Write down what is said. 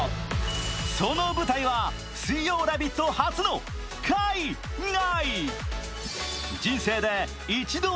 その舞台は水曜「ラヴィット！」初の海外！